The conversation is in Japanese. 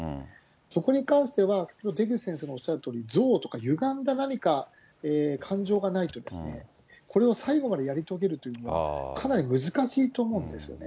そこに関しては出口先生のおっしゃるとおり、憎悪とかゆがんだ何か感情がないと、これを最後までやり遂げるというのは、かなり難しいと思うんですよね。